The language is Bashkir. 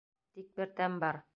Тик бер тәм бар.